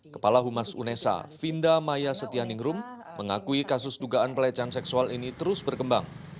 kepala humas unesa vinda maya setianingrum mengakui kasus dugaan pelecehan seksual ini terus berkembang